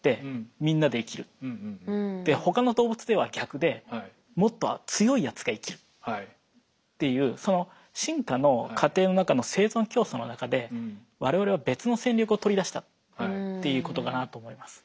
ほかの動物では逆でもっと強いやつが生きるっていうその進化の過程の中の生存競争の中でわれわれは別の戦略をとりだしたっていうことかなと思います。